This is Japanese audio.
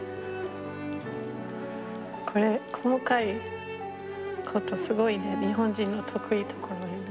これ細かい事すごいね日本人の得意なところよね。